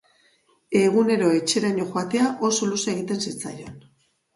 Egunero etxeraino joatea oso luze egiten zitzaion.